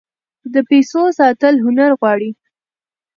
د پیسو ساتل هنر غواړي.